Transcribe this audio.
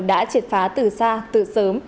đã triệt phá từ xa từ sớm